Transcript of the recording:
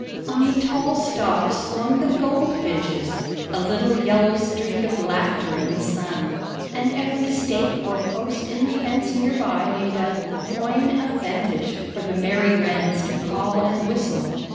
On the tall stalks swung the goldfinches, "a little yellow streak of laughter in the sun," and every stake or post in the fence near by made a "coigne of vantage" for the merry wrens to call and whistle.